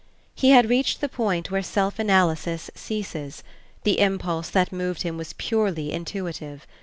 He had reached the point where self analysis ceases; the impulse that moved him was purely intuitive.